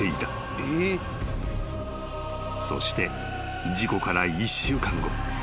［そして事故から１週間後］